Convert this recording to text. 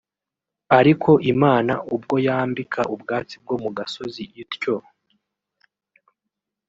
Ariko Imana ubwo yambika ubwatsi bwo mu gasozi ityo